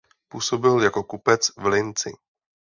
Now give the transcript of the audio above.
Působil jako kupec v Linci.